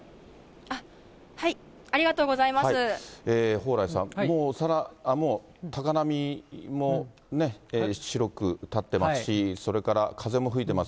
蓬莱さん、もう高波もね、白く立ってますし、それから風も吹いてます。